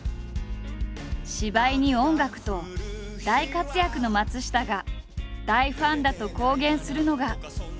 芝居に音楽と大活躍の松下が大ファンだと公言するのが。